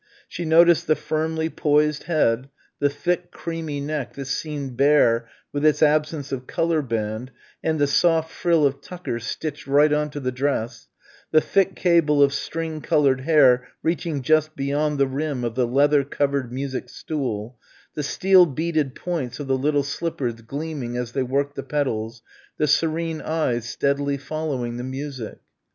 She noticed the firmly poised head, the thick creamy neck that seemed bare with its absence of collar band and the soft frill of tucker stitched right on to the dress, the thick cable of string coloured hair reaching just beyond the rim of the leather covered music stool, the steel beaded points of the little slippers gleaming as they worked the pedals, the serene eyes steadily following the music.